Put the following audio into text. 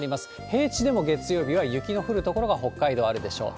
平地でも月曜日は雪の降る所が北海道あるでしょう。